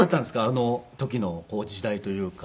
あの時の時代というか。